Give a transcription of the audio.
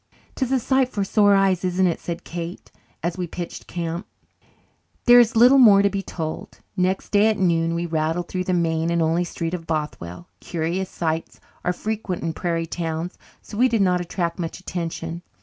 "'Tis a sight for sore eyes, isn't it?" said Kate, as we pitched camp. There is little more to be told. Next day at noon we rattled through the main and only street of Bothwell. Curious sights are frequent in prairie towns, so we did not attract much attention.